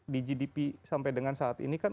di gdp sampai dengan saat ini kan